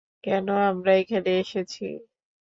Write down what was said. কেন আমরা এখানে এসেছি?